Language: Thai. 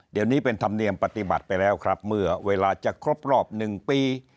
เดี๋ยวนี้เป็นธรรมเนียมปฏิบัติไปแล้วครับเมื่อเวลาจะครบรอบ๑ปี